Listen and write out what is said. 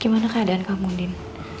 gimana keadaan kamu undin